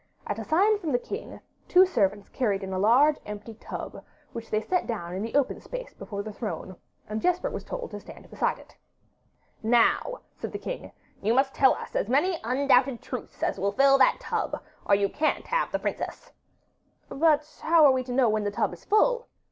At a sign from the king, two servants carried in a large empty tub, which they set down in the open space before the throne, and Jesper was told to stand beside it. 'Now,' said the king, 'you must tell us as many undoubted truths as will fill that tub, or you can't have the princess.' 'But how are we to know when the tub is full?